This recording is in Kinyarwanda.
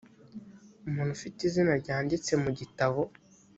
umuntu ufite izina ryanditse mu gitabo